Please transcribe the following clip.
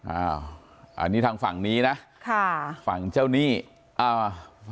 อ่าอันนี้ทางฝั่งนี้นะค่ะฝั่งเจ้าหนี้อ่า